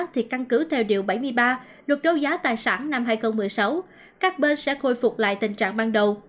thì căn cứ theo điều bảy mươi ba luật đấu giá tài sản năm hai nghìn một mươi sáu các bên sẽ khôi phục lại tình trạng ban đầu